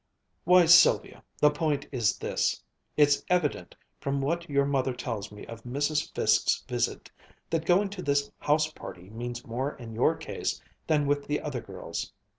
"Why, Sylvia, the point is this. It's evident, from what your mother tells me of Mrs. Fiske's visit, that going to this house party means more in your case than with the other girls.